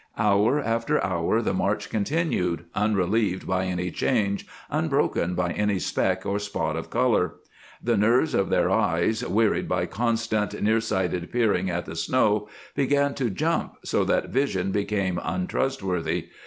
Hour after hour the march continued, unrelieved by any change, unbroken by any speck or spot of color. The nerves of their eyes, wearied by constant near sighted peering at the snow, began to jump so that vision became untrustworthy.